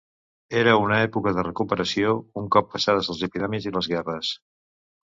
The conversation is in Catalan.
Era una època de recuperació, un cop passades les epidèmies i les guerres.